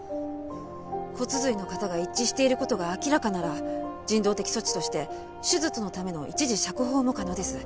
骨髄の型が一致している事が明らかなら人道的措置として手術のための一時釈放も可能です。